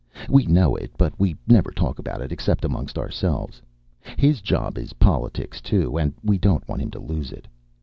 We know it, but we never talk about it except amongst ourselves. His job is politics, too, and we don't want him to lose it.